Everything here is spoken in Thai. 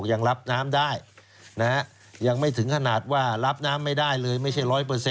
ยังรับน้ำได้ยังไม่ถึงขนาดว่ารับน้ำไม่ได้เลยไม่ใช่๑๐๐